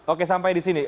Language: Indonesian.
oke sampai di sini